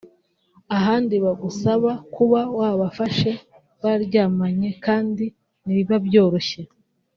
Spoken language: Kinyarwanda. ahandi bagusaba kuba wabafashe baryamanye kandi ntibiba byoroshye